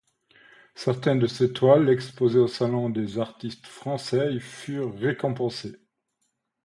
Certaines de ses toiles, exposées au Salon des artistes français, y furent récompensées.